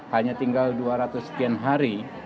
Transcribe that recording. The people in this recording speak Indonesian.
hanya tinggal dua ratus sekian hari